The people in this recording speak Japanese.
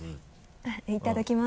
いただきます。